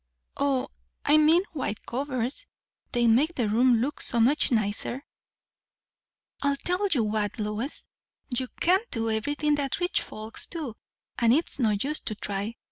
"O, I mean white covers. They make the room look so much nicer." "I'll tell you what, Lois; you can't do everything that rich folks do; and it's no use to try.